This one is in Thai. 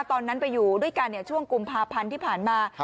ตอนนั้นไปอยู่ด้วยกันช่วงกุมภาพันธ์ที่ผ่านมา